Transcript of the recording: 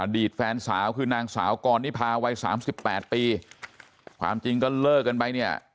อดีตแฟนสาวคือนางสาวก่อนนี้พาวัย๓๘ปีความจริงก็เลิกกันไปเนี่ย